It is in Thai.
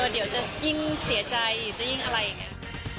เดี๋ยวจะยิ่งเสียใจจะยิ่งอะไรอย่างนี้